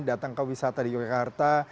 datang ke wisata di yogyakarta